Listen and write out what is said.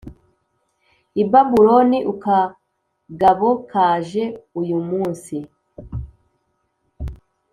i Babuloni ukagabo kaje uyumunsi